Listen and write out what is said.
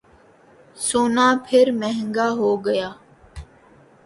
سونا پھر مہنگا ہوگیا